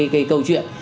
cái câu chuyện